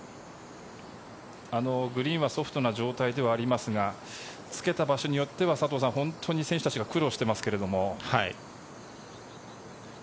グリーンはソフトな状態ではありますがつけた場所によっては佐藤さん、本当に選手たちが苦労してますけど。